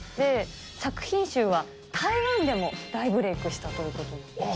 作品集は台湾でも大ブレークしたということなんです。